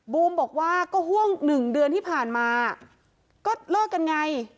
บูมบอกว่าก็ห่วงหนึ่งเดือนที่ผ่านมาก็เลิกกันไง